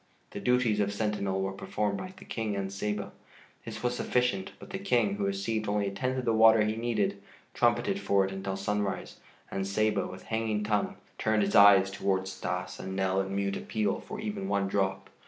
The duties of sentinel were performed by the King and Saba. This was sufficient, but the King, who received only a tenth of the water he needed, trumpeted for it until sunrise, and Saba, with hanging tongue, turned his eyes towards Stas and Nell in mute appeal for even one drop.